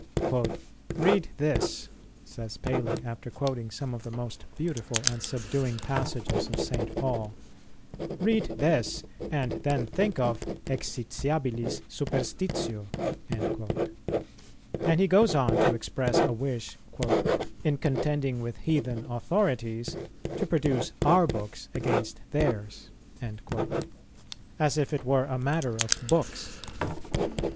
"Read this," says Paley, after quoting some of the most beautiful and subduing passages of St. Paul, "read this, and then think of exitiabilis superstitio;" and he goes on to express a wish "in contending with heathen authorities, to produce our books against theirs,"[231:1] as if it were a matter of books.